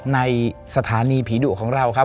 ในสถานีผีดุของเราครับ